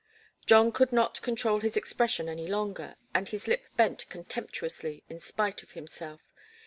John could not control his expression any longer, and his lip bent contemptuously, in spite of himself.